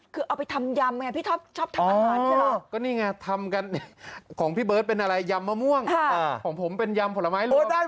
คือเอาไปทำยำพี่ชอบทำอร่างฮัทเนี่ย